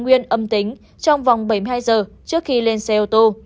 nguyên âm tính trong vòng bảy mươi hai giờ trước khi lên xe ô tô